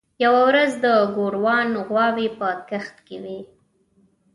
یوه ورځ د ګوروان غواوې په کښت کې وې.